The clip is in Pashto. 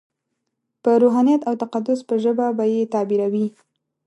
په روحانیت او تقدس په ژبه به یې تعبیروي.